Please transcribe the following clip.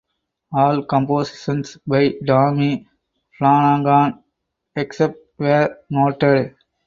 All compositions by Tommy Flanagan except where noted